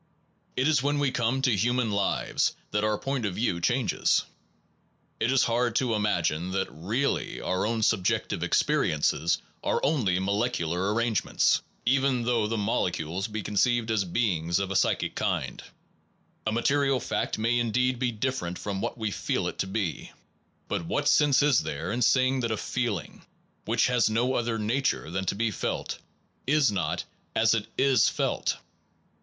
It is when we come to human lives, that Personal our point of view changes. It is hard experience ,1 n ? an ^ to imagine that really our own novelty subjective experiences are only mo lecular arrangements, even though the mole cules be conceived as beings of a psychic kind. A material fact may indeed be different from what we feel it to be, but what sense is there in saying that a feeling, which has no other na ture than to be felt, is not as it is felt?